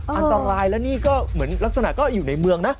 อันตรายแล้วนี่ก็เหมือนลักษณะก็อยู่ในเมืองนะ